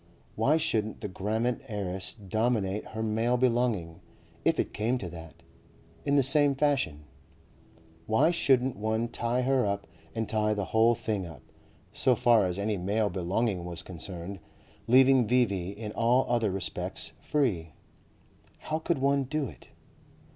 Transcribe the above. Why shouldn't the Grammont heiress dominate her male belonging, if it came to that, in the same fashion? Why shouldn't one tie her up and tie the whole thing up, so far as any male belonging was concerned, leaving V.V. in all other respects free? How could one do it?